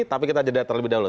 tapi kita jeda terlebih dahulu